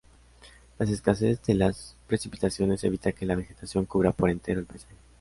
La escasez de las precipitaciones evita que la vegetación cubra por entero el paisaje.